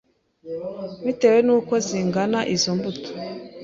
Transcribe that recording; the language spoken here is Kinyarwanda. bitewe n’uko zingana izo mbuto